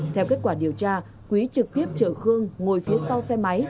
theo kết quả điều tra quý trực tiếp chở khương ngồi phía sau xe máy